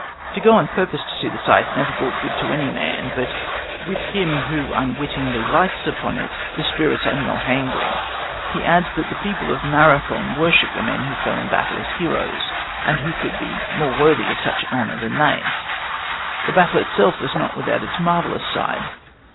To go on purpose to see the sight never brought good to any man; but with him who unwittingly lights upon it the spirits are not angry. He adds that the people of Marathon worship the men who fell in the battle as heroes; and who could be more worthy of such honour than they? The battle itself was not without its marvellous side.